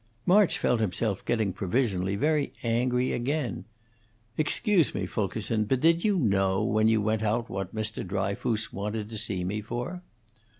March felt himself getting provisionally very angry again. "Excuse me, Fulkerson, but did you know when you went out what Mr. Dryfoos wanted to see me for?"